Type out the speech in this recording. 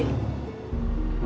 ada apa ya